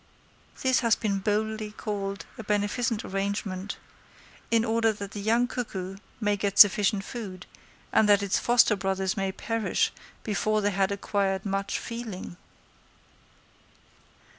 This has been boldly called a beneficent arrangement, in order that the young cuckoo may get sufficient food, and that its foster brothers may perish before they had acquired much feeling!